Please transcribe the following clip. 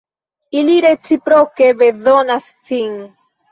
Ili reciproke bezonas sin.